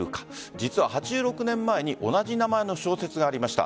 実は、８６年前に同じ名前の小説がありました。